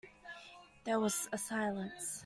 There was a silence.